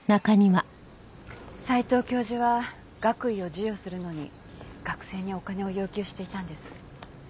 斎藤教授は学位を授与するのに学生にお金を要求していたんです。